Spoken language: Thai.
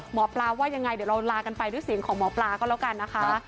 หมอปลาว่ายังไงเดี๋ยวเราลากันไปด้วยเสียงของหมอปลาก็แล้วกันนะคะ